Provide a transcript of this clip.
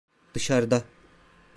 Dışarıda.